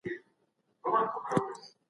دا پيسې په مولدو برخو کي لګول سوي وې.